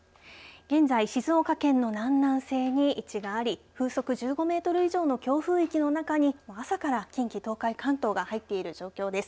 現在、静岡県の南南西に位置があり、風速１５メートル以上の強風域の中に朝から近畿、東海、関東が入っている状況です。